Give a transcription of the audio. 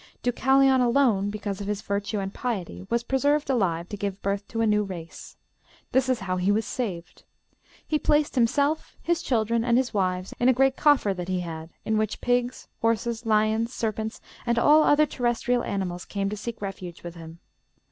Deucalion alone, because of his virtue and piety, was preserved alive to give birth to a new race. This is how he was saved: He placed himself, his children, and his wives in a great coffer that he had, in which pigs, horses, lions, serpents, and all other terrestrial animals came to seek refuge with him.